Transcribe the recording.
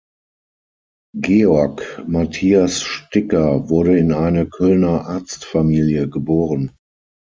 Georg Matthias Sticker wurde in eine Kölner Arztfamilie geboren.